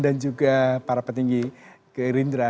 dan juga para petinggi ke irindra